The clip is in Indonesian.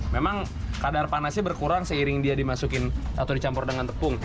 memang kadar panasnya berkurang seiring dia dimasukin atau dicampur dengan tepung